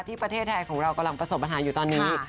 ประเทศไทยของเรากำลังประสบปัญหาอยู่ตอนนี้